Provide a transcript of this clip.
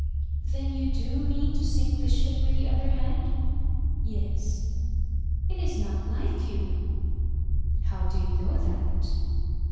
"Then you do mean to sink the ship with the other hand?" "Yes." "It's not like you." "How do you know that?"